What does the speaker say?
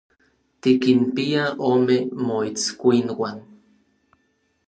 Tikinpia ome moitskuinuan.